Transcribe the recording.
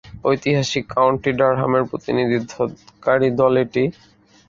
ঐতিহাসিক কাউন্টি ডারহামের প্রতিনিধিত্বকারী দল এটি।